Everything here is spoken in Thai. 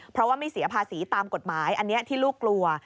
เพราะว่าไม่เสียภาษีตามกฎหมายอันนี้ที่ลูกกลัว